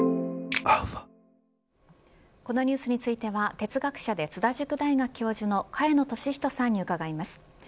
このニュースについては哲学者で、津田塾大学教授の萱野稔人さんに伺います。